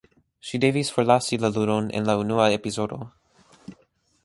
Ŝi devis forlasi la ludon en la unua epizodo.